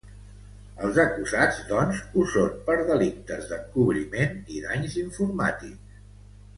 Els acusats, doncs, ho són per delictes d’encobriment i danys informàtics.